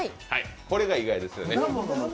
これが意外ですよね。